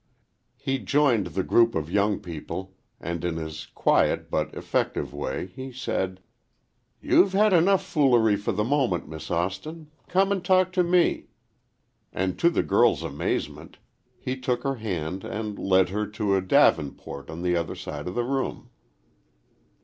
He joined the group of young people, and in his quiet but effective way, he said: "You've had enough foolery for the moment, Miss Austin,—come and talk to me." And to the girl's amazement, he took her hand and led her to a davenport on the other side of the room.